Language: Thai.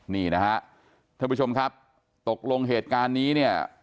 นี่นะฮะท่านผู้ชมครับตกลงเหตุการณ์นี้เนี่ย